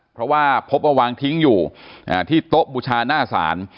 เพราะว่าพบว่าวางทิ้งอยู่ที่โต๊ะบูชาหน้าศาล